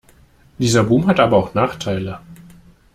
Dieser Boom hat aber auch Nachteile.